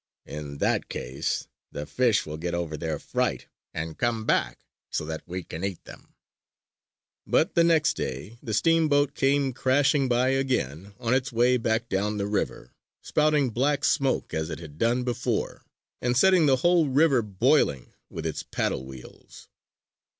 In that case, the fish will get over their fright and come back so that we can eat them." But the next day, the steamboat came crashing by again on its way back down the river, spouting black smoke as it had done before, and setting the whole river boiling with its paddle wheels.